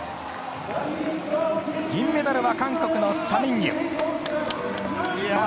銀メダルは韓国のチャ・ミンギュ。